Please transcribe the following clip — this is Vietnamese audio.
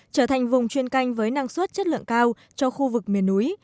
trở thành vùng chuyên canh với năng suất chất lượng cao cho khu vực miền núi